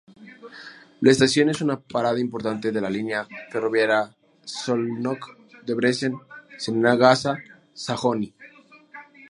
La estación es una parada importante de la línea ferroviaria Szolnok–Debrecen–Nyíregyháza–Záhony.